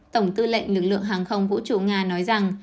tổng tư lệnh lực lượng hàng không vũ trụ nga nói rằng